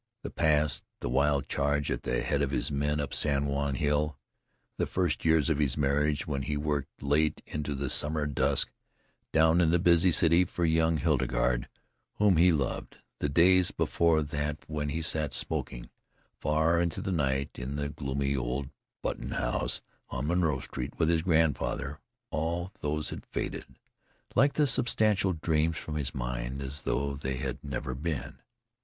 The past the wild charge at the head of his men up San Juan Hill; the first years of his marriage when he worked late into the summer dusk down in the busy city for young Hildegarde whom he loved; the days before that when he sat smoking far into the night in the gloomy old Button house on Monroe Street with his grandfather all these had faded like unsubstantial dreams from his mind as though they had never been.